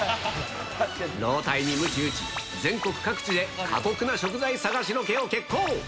老体にむち打ち、全国各地で過酷な食材探しロケを決行。